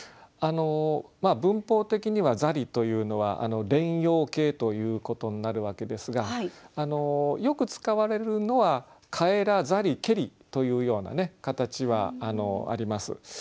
あの文法的には「ざり」というのは連用形ということになるわけですがよく使われるのは「返らざりけり」というような形はあります。